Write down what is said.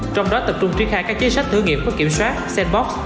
trong đó tập trung tri khai các chế sách thử nghiệm có kiểm soát sandbox